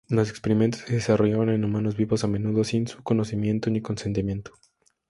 Los experimentos se desarrollaban en humanos vivos, a menudo sin su conocimiento ni consentimiento.